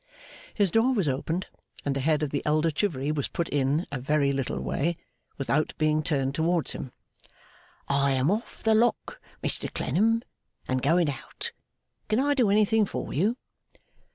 His door was opened, and the head of the elder Chivery was put in a very little way, without being turned towards him. 'I am off the Lock, Mr Clennam, and going out. Can I do anything for you?